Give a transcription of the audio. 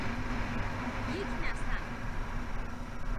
یک نسق